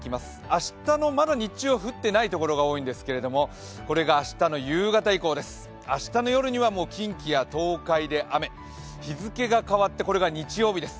明日の日中はまだ降っていないところが多いんですが、これが明日の夕方以降、明日の夜には近畿や東海で雨、日付が変わってこれが日曜日です。